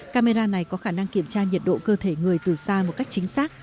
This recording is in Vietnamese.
camera này có khả năng kiểm tra nhiệt độ cơ thể người từ xa một cách chính xác